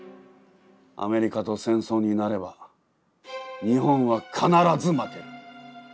アメリカと戦争になれば日本は必ず負ける。